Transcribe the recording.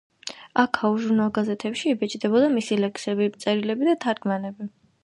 აქაურ ჟურნალ-გაზეთებში იბეჭდებოდა მისი ლექსები, წერილები და თარგმანები.